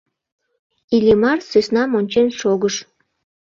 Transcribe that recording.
Иллимар сӧснам ончен шогыш.